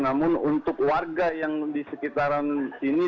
namun untuk warga yang di sekitaran sini